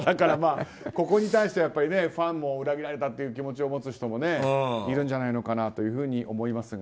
ここに対してはファンも裏切られたという気持ちを持つ人もいるんじゃないのかなと思いますが。